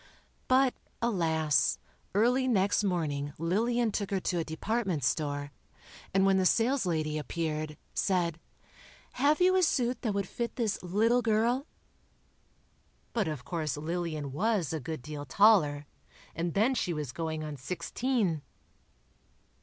But, alas, early next morning Lillian took her to a department store, and when the saleslady appeared, said: "Have you a suit that would fit this little girl?" But of course Lillian was a good deal taller, and then she was "going on sixteen."